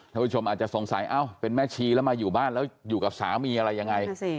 ท่านผู้ชมอาจจะสงสัยเอ้าเป็นแม่ชีแล้วมาอยู่บ้านแล้วอยู่กับสามีอะไรยังไง